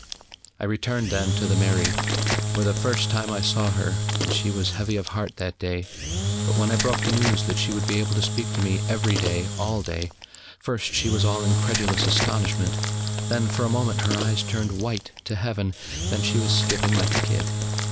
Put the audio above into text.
I returned then to the mairie, where for the first time I saw her, and she was heavy of heart that day: but when I broke the news that she would be able to speak to me, every day, all day, first she was all incredulous astonishment, then, for a moment, her eyes turned white to Heaven, then she was skipping like a kid.